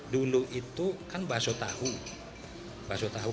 dulu itu kan bakso tahu